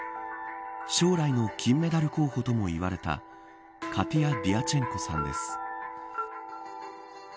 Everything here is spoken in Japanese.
将来の金メダル候補ともいわれたカティア・ディアチェンコさんです。